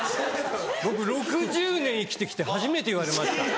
僕６０年生きて来て初めて言われました。